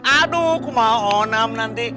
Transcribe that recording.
aduh aku mau onam nanti